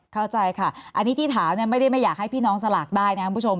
เข้าใจค่ะอันนี้ที่ถามไม่ได้ไม่อยากให้พี่น้องสลากได้นะครับคุณผู้ชม